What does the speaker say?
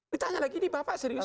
ditanya lagi ini bapak serius